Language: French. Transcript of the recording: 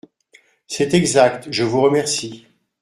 C’est exact, je vous remercie.